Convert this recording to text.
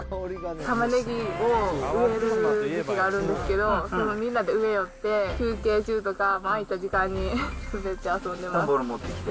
玉ねぎを植える時期があるんですけど、みんなで植えよって、休憩中とか空いた時間に滑って遊んでました。